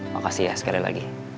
makasih ya sekali lagi